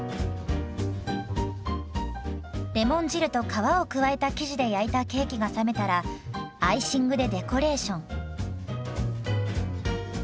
レモン汁と皮を加えた生地で焼いたケーキが冷めたらアイシングでデコレーション。